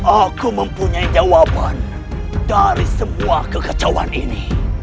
aku mempunyai jawaban dari semua kekacauan ini